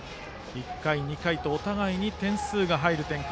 １回、２回とお互いに点数が入る展開。